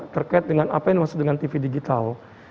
terkait dengan apa yang dimaksud dengan tv digital